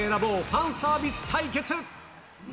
ファンサービス対決！